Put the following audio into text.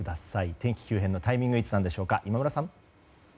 天気急変のタイミングはいつなんでしょうか、今村さん。